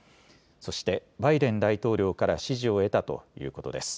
そして、バイデン大統領から支持を得たということです。